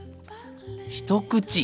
一口。